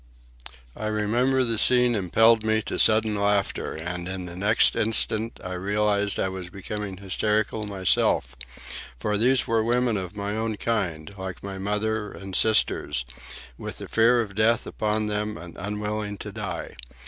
I remember the scene impelled me to sudden laughter, and in the next instant I realized I was becoming hysterical myself; for these were women of my own kind, like my mother and sisters, with the fear of death upon them and unwilling to die.